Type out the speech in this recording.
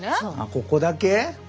ここだけ？